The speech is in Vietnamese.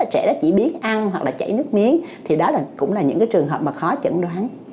trẻ đó chỉ biết ăn hoặc là chảy nước miếng thì đó cũng là những cái trường hợp mà khó chẩn đoán